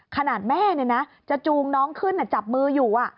ขนาดแม่จะจูงน้องขึ้นจับมืออยู่